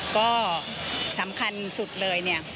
ก็สำคัญสุดเลย